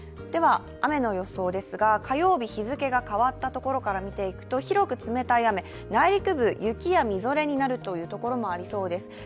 雨の予想ですが、火曜日、変わったところから見ていくと、広く冷たい雨、内陸部、雪やみぞれになるところもありそうです。